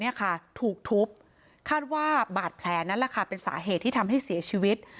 ใบหน้าของศพถูกทุบคาดว่าบาดแผลนั้นเป็นสาเหตุที่ทำให้เสียชีวิต